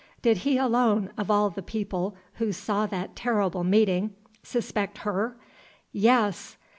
Did he alone, of all the people who saw that terrible meeting, suspect her? Yes!